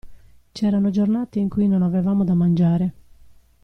C'erano giornate in cui non avevamo da mangiare.